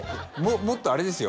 もっとあれですよ